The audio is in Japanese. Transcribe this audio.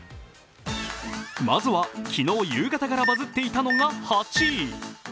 まずは、昨日夕方からバズっていたのが８位。